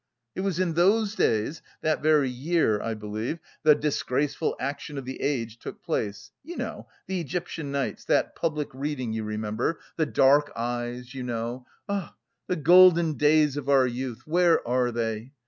It was in those days, that very year I believe, the 'disgraceful action of the Age' took place (you know, 'The Egyptian Nights,' that public reading, you remember? The dark eyes, you know! Ah, the golden days of our youth, where are they?).